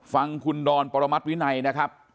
ฟังคุณดอนปรมัติวินัยนะครับ